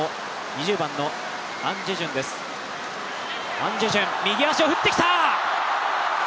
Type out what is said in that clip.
アン・ジェジュン、右足を振ってきた！